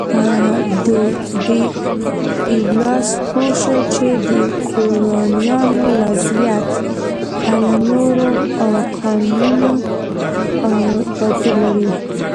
ډي ایولاس پوه شو چې د ګورانیانو وضعیت له نورو قومونو توپیر لري.